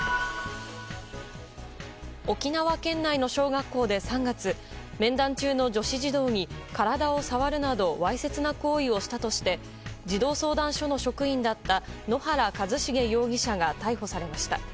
沖縄県内の小学校で３月面談中の女子児童に体を触るなどわいせつな行為をしたとして児童相談所の職員だった野原一茂容疑者が逮捕されました。